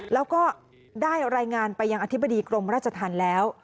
แล้วก็ได้รายงานไปยังอธิบดีกรมราชธรรมแล้ว